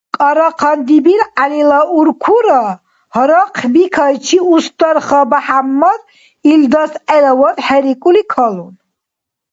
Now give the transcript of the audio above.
КӀарахъан ДибиргӀялила уркура гьарахъбикайчи Устарха БяхӀяммад илдас гӀелавад хӀерикӀули калун